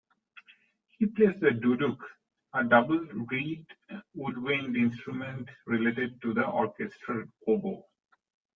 He plays the duduk, a double reed woodwind instrument related to the orchestral oboe.